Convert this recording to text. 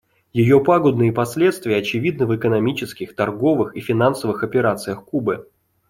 Ее пагубные последствия очевидны в экономических, торговых и финансовых операциях Кубы.